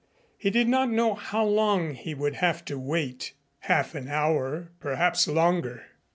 He did not know how long he would have to wait. Half an hour, perhaps longer.